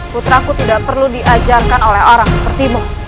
putraku tidak perlu diajarkan oleh orang seperti mu